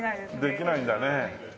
できないんだね。